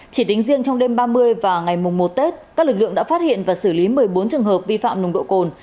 chỉ tính riêng trong đêm ba mươi và ngày mùng một tết các lực lượng đã phát hiện và xử lý một mươi bốn trường hợp vi phạm nồng độ cồn